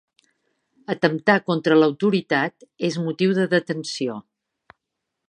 Atemptar contra l'autoritat és motiu de detenció.